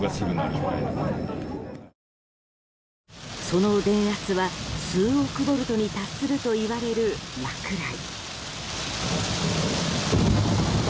その電圧は数億ボルトに達するといわれる落雷。